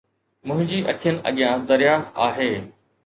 منهنجي اکين اڳيان درياهه آهي